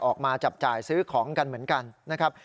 ออกมาจับจ่ายซื้อของกันเหมือนกันนะครับ